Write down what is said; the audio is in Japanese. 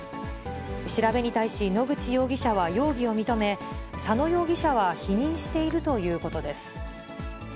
調べに対し、野口容疑者は容疑を認め、佐野容疑者は否認しているということです。